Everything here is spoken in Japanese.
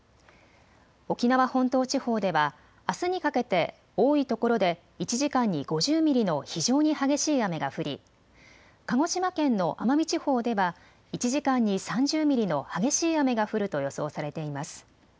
沖縄本島地方ではあすにかけて多いところで１時間に５０ミリの非常に激しい雨が降り鹿児島県の奄美地方では１時間に３０ミリの激しい雨が降ると予想されています。